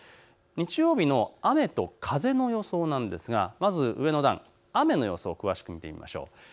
日曜日の雨と風の予想なんですがまず上の段、雨の予想を詳しく見てみましょう。